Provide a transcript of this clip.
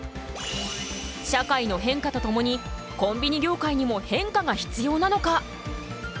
社会の変化とともにコンビニ業界にも変化が必要なのか？